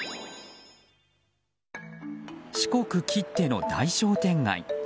四国きっての大商店街